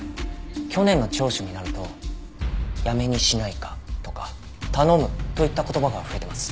去年の聴取になると「やめにしないか」とか「頼む」といった言葉が増えてます。